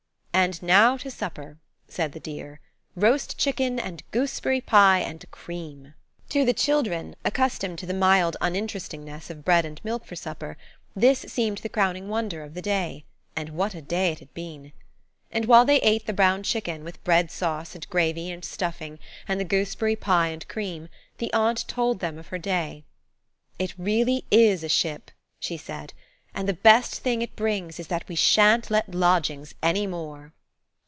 "And now to supper," said the dear. "Roast chicken. And gooseberry pie. And cream." To the children, accustomed to the mild uninterestingness of bread and milk for supper, this seemed the crowning wonder of the day. And what a day it had been! And while they ate the brown chicken, with bread sauce and gravy and stuffing, and the gooseberry pie and cream, the aunt told them of her day. "It really is a ship," she said, "and the best thing it brings is that we shan't let lodgings any more."